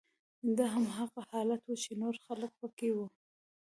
دا هماغه حالت و چې نور خلک پکې وو